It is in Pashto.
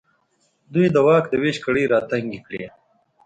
دوی د واک د وېش کړۍ راتنګې کړې.